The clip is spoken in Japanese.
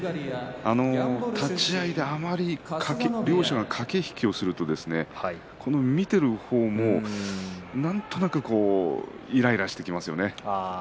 立ち合いであまり両者が駆け引きをすると見ている方もいらいらしていきますよね。